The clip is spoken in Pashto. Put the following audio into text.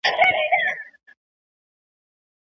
مطالعې ته د تپل سوې پدیدې په څېر مه ګورئ.